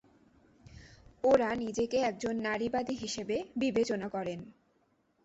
ওরা নিজেকে একজন নারীবাদী হিসেবে বিবেচনা করেন।